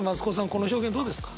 この表現どうですか？